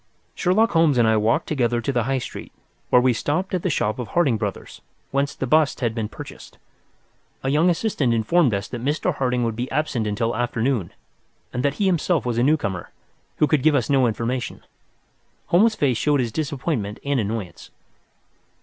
Sherlock Holmes and I walked together to the High Street, where we stopped at the shop of Harding Brothers, whence the bust had been purchased. A young assistant informed us that Mr. Harding would be absent until afternoon, and that he was himself a newcomer, who could give us no information. Holmes's face showed his disappointment and annoyance.